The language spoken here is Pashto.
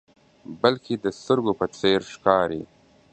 بلکې د سترګو په څیر ښکاري.